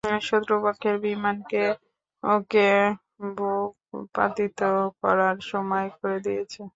শত্রুপক্ষের বিমানকে ওকে ভূপাতিত করার সময় করে দিয়েছে।